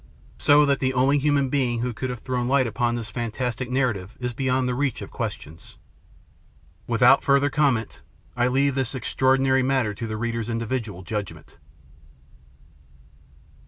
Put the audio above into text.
So that the only human being who could have thrown light upon this fantastic narrative is beyond the reach of questions. Without further comment I leave this extraordinary matter to the reader's individual judgment.